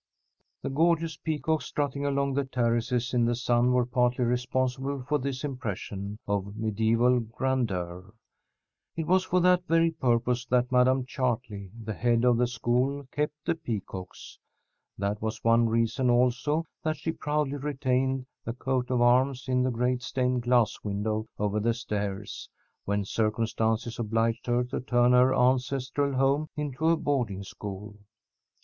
The gorgeous peacocks strutting along the terraces in the sun were partly responsible for this impression of mediæval grandeur. It was for that very purpose that Madam Chartley, the head of the school, kept the peacocks. That was one reason, also, that she proudly retained the coat of arms in the great stained glass window over the stairs, when circumstances obliged her to turn her ancestral home into a boarding school.